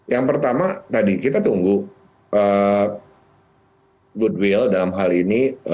yang pertama tadi kita tunggu goodwill dalam hal ini